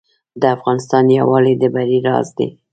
د افغانستان یووالی د بری راز دی